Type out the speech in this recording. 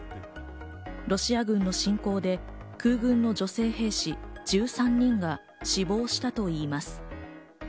ロシア軍の侵攻で空軍の女性兵士１３人が死亡したといいます。